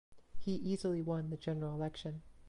He easily won the general election.